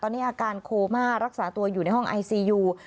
ตอนนี้อาการโคม่ารักษาตัวอยู่ในห้องไอซียู